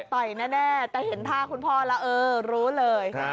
ต่อยแน่แต่เห็นท่าคุณพ่อแล้วเออรู้เลย